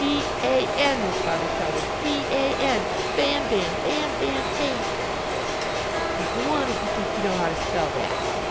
"B a n!" his father shouted, "B a n, Ban! Ban! Ban! Ban! Ban! Now go on, if you think you know how to spell that!